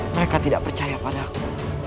mereka tidak percaya pada aku